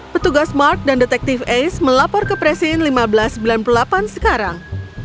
petugas mark dan detektif ace melapor ke presiden seribu lima ratus sembilan puluh delapan sekarang